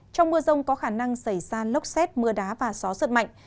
trong mưa rông có khả năng xảy ra lốc xét mưa đá và gió giật mạnh